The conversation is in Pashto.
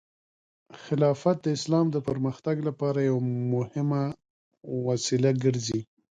خلافت د اسلام د پرمختګ لپاره یو مهم وسیله ګرځي.